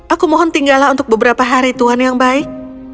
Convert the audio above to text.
aku mohon tinggallah untuk beberapa hari tuhan yang baik